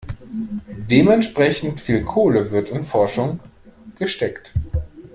Dementsprechend viel Kohle wird in Forschung gesteckt.